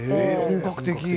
本格的。